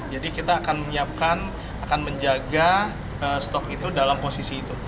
jadi kita akan menyiapkan akan menjaga stok itu dalam posisi itu